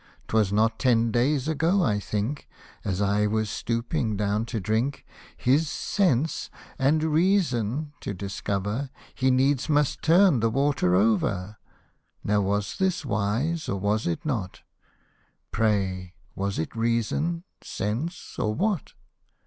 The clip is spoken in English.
'Twas not ten days ago I think, As I was stooping down to drink, His sense and reason to discover, He needs must turn the water over ; Now was this wise or was it not ? Pray was it reason, sense, or what